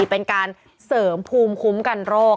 เป็นการเสริมภูมิคุ้มกันโรค